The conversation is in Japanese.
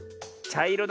ちゃいろ？